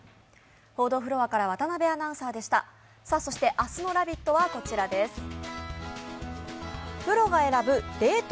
そして明日の「ラヴィット！」はこちらです。